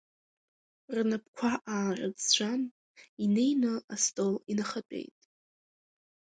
Рнапқәа аарыӡәӡәан, инеины, астол инахатәеит.